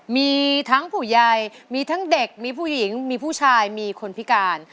มีทั้งผู้ใหญ่มีทั้งเด็กมีผู้หญิงมีผู้ชายมีคนพิการ